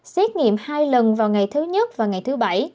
xét nghiệm hai lần vào ngày thứ nhất và ngày thứ bảy